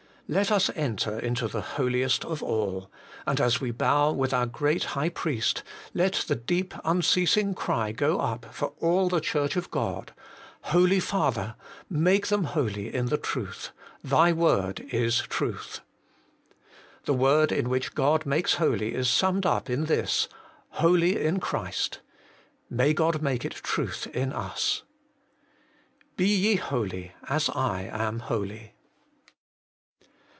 Let us enter into the Holiest of all, and as we bow with our Great High Priest, let the deep, unceasing cry go up for all the Church of God, ' Holy Father ! make them holy in the truth : Thy word is truth.' The word in which God makes holy is summed up in this, HOLY IN CHRIST. May God make it truth in us ! BE YE HOLY, AS I AM HOLY.